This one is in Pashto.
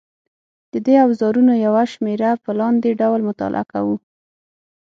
د دې اوزارونو یوه شمېره په لاندې ډول مطالعه کوو.